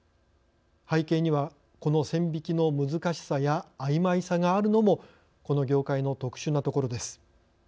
背景には、この線引きの難しさやあいまいさがあるのもこの業界の特殊なところです。